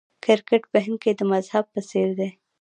کرکټ په هند کې د مذهب په څیر دی.